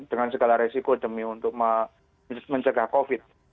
dengan segala resiko demi untuk mencegah covid